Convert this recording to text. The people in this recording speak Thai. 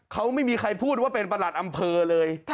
เขาไม่มีใครพูดว่าเป็นประหลัดอำเภอเลย